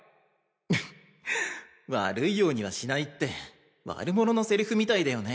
フッ悪いようにはしないって悪者のセリフみたいだよね。